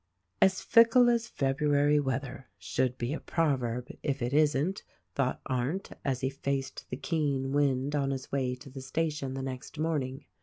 As fickle as February weather, should be a proverb, if it isn't, thought Arndt as he faced the keen wind on his way to the station the next morning.